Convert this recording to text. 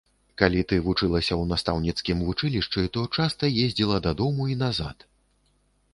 Калі ты вучылася ў настаўніцкім вучылішчы, то часта ездзіла дадому і назад.